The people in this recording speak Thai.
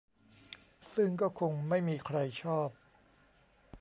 ซึ่งก็คงไม่มีใครชอบ